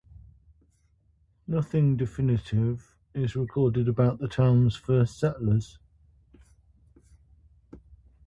Nothing definitive is recorded about the town's first settlers.